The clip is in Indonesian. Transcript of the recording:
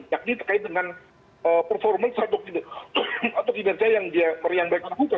yakni terkait dengan performance atau kinerja yang dia merayangkan juga